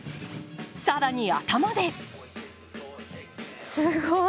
更に頭で！